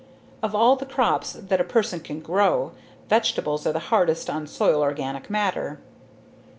Of all the crops that a person can grow, vegetables are the hardest on soil organic matter.